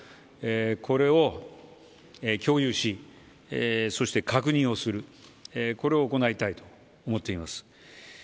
これを共有し、そして確認をするこれを行いたいと思っています。